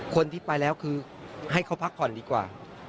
คนที่ไปแล้วคือให้เขาพักผ่อนดีกว่า